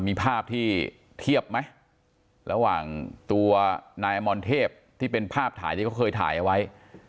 มีภาพที่เทียบไหมระหว่างตัวนายอมรเทพที่เป็นภาพถ่ายที่เขาเคยถ่ายเอาไว้